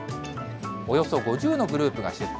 およそ５０のグループが出店。